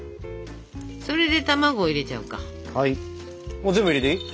もう全部入れていい？